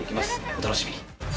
お楽しみに。